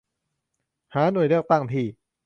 หาหน่วยเลือกตั้งที่